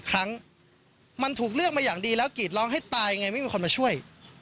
ครั้งมันถูกเลือกมาอย่างดีแล้วกรีดร้องให้ตายไงไม่มีคนมาช่วย